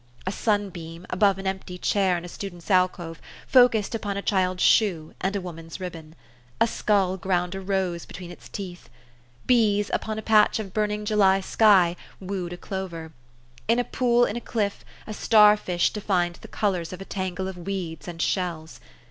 A sunbeam, upon an empty chair in a student's alcove, focussed upon a child's shoe and a woman's ribbon. A skull ground a rose between its teeth. Bees, THE STORY OF AVIS. 147 upon a patch of burning July sky, wooed a clover. In a pool in a cliff, a star fish defined the colors of a tangle of weeds and shells.